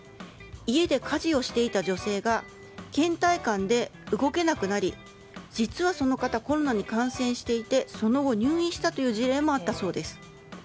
家で家事をしていた女性が倦怠感で動けなくなり実は、その方コロナに感染していてその後、入院したという事例もあったそうです。